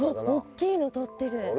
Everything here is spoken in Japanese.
大っきいの取ってる！